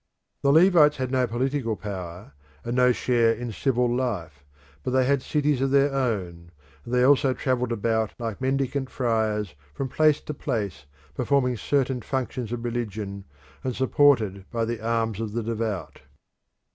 The Levites had no political power and no share in civil life, but they had cities of their own, and they also travelled about like mendicant friars from place to place performing certain functions of religion, and supported by the alms of the devout.